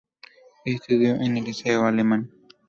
Estudió en el Liceo Alemán.